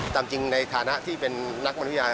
จำจริงในฐานะที่เป็นนักมนุญาณ